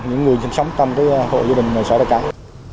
những người sinh sống trong hộ gia đình